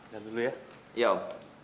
jaga diri kamu baik baik